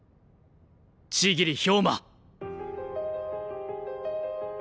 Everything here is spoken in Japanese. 千切豹馬。